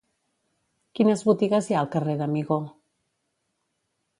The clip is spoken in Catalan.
Quines botigues hi ha al carrer d'Amigó?